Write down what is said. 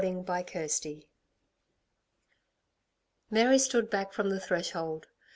CHAPTER IV Mary stood back from the threshold.